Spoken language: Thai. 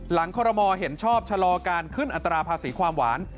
คอรมอลเห็นชอบชะลอการขึ้นอัตราภาษีความหวาน